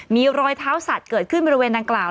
มีรอยเท้าสัตว์เกิดขึ้นบริเวณดังกล่าว